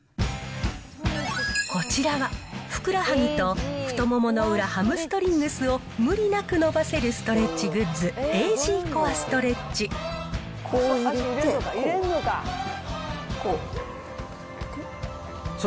こちらは、ふくらはぎと太ももの裏、ハムストリングスを無理なく伸ばせるストレッチグッズ、こう入れて、こう。